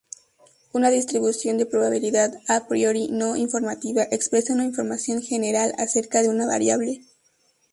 Una distribución de probabilidad "a priori no-informativa" expresa información general acerca de una variable.